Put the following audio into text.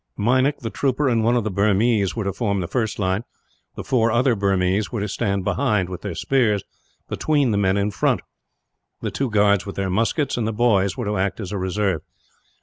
Meinik, the trooper, and one of the Burmese were to form the first line; the four other Burmese were to stand behind, with their spears, between the men in front; the two guards with their muskets, and the boys were to act as a reserve.